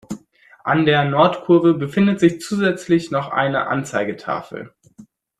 An der Nordkurve befindet sich zusätzlich noch eine Anzeigetafel.